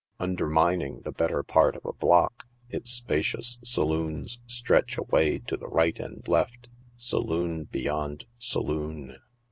Undermining the better part of a block, its spacious saloons stretch away to the right and left, saloon beyond saloon.